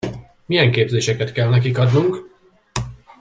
Milyen képzéseket kell nekik adnunk?